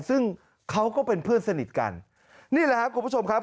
ซึ่งเขาก็เป็นเพื่อนสนิทกันนี่แหละครับคุณผู้ชมครับ